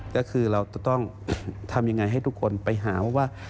ก็คือเราจะต้องทำยังไงให้ทุกคนไปหาว่า